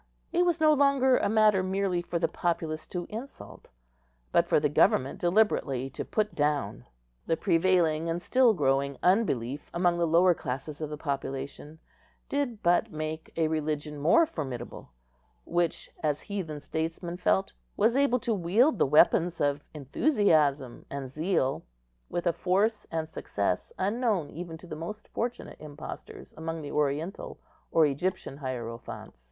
It was no longer a matter merely for the populace to insult, but for government deliberately to put down. The prevailing and still growing unbelief among the lower classes of the population did but make a religion more formidable, which, as heathen statesmen felt, was able to wield the weapons of enthusiasm and zeal with a force and success unknown even to the most fortunate impostors among the Oriental or Egyptian hierophants.